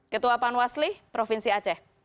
ketua panwasli provinsi aceh